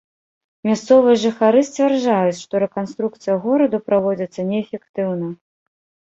Мясцовыя жыхары сцвярджаюць, што рэканструкцыя гораду праводзіцца неэфектыўна.